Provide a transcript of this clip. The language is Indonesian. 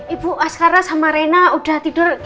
ibu paskara sama rena udah tidur